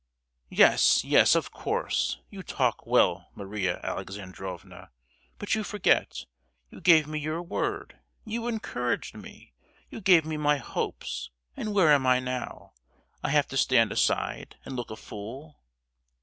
"Yes, yes, of course! You talk well, Maria Alexandrovna, but you forget—you gave me your word, you encouraged me, you gave me my hopes; and where am I now? I have to stand aside and look a fool!"